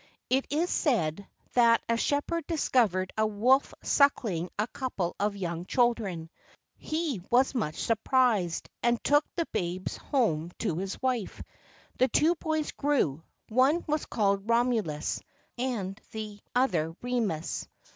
It is said, that a shepherd discovered a wolf suckling a couple of young children; he was much surprised, and took the babes home to his wife. The two boys grew; one was called Romulus, and the other Remus.